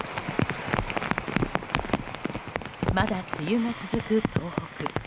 まだ梅雨が続く東北。